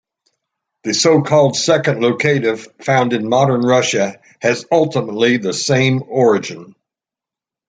The so-called "second locative" found in modern Russian has ultimately the same origin.